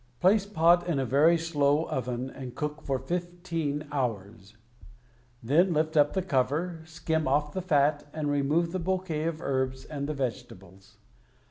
Place pot in a very slow oven and cook for fifteen hours. Then lift up the cover, skim off the fat, and remove the bouquet of herbs and the vegetables.